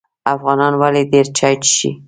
افغانان ولې ډیر چای څښي؟